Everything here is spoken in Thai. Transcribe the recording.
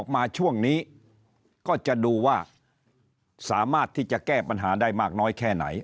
มาช่วงนี้ก็จะดูว่าสามารถที่จะแก้ปัญหาได้มากน้อยแค่ไหน